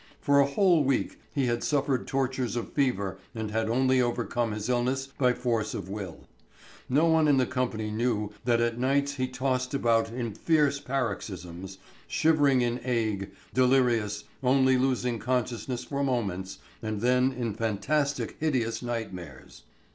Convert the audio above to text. For a whole week he had suffered tortures of fever and had only overcome his illness by force of will. No one in the company knew that at nights he tossed about in fierce paroxysms, shivering in ague, delirious, only losing consciousness for moments, and then in fantastic hideous nightmares.